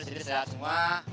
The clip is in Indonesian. jadi sehat semua